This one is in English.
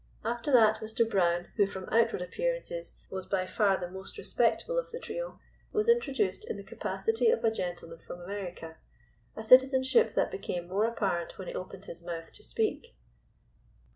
After that, Mr. Brown, who from outward appearances was by far the most respectable of the trio, was introduced in the capacity of a gentleman from America, a citizenship that became more apparent when he opened his mouth to speak.